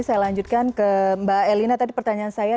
saya lanjutkan ke mbak elina tadi pertanyaan saya